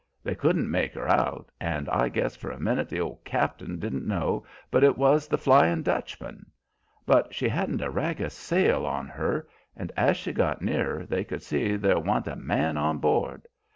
They couldn't make her out, and I guess for a minute the old cap'n didn't know but it was the Flyin' Dutchman; but she hadn't a rag o' sail on her, and as she got nearer they could see there wan't a man on board.